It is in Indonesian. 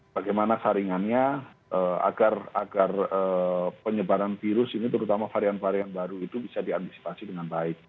bagaimana saringannya agar penyebaran virus ini terutama varian varian baru itu bisa diantisipasi dengan baik